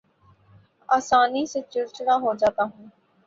آسانی سے چڑ چڑا ہو جاتا ہوں